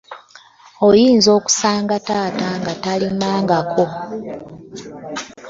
Oyinza okusanga taata nga talimanganako.